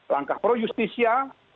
langkah pro justisia